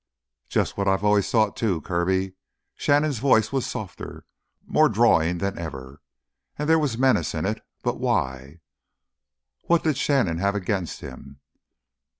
"Just what I've always thought, too, Kirby." Shannon's voice was softer, more drawling than ever. And there was menace in it—but why? What did Shannon have against him?